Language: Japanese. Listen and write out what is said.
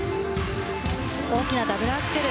大きなダブルアクセル。